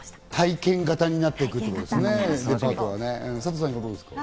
体験型になっていくということですね、サトさん。